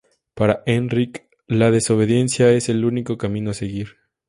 Para Enric, la desobediencia es el único camino a seguir.